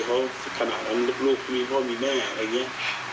เขาขนาดนั้นลูกมีพ่อมีแม่อะไรอย่างนี้